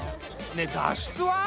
ねえ脱出は？